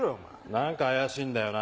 何か怪しいんだよな。